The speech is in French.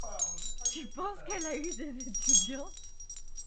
Tu penses qu'elle a eu des étudiantes?